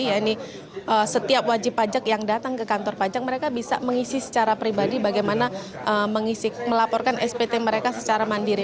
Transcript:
ya ini setiap wajib pajak yang datang ke kantor pajak mereka bisa mengisi secara pribadi bagaimana melaporkan spt mereka secara mandiri